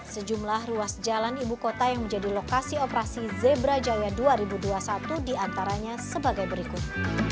sejumlah ruas jalan ibu kota yang menjadi lokasi operasi zebra jaya dua ribu dua puluh satu diantaranya sebagai berikut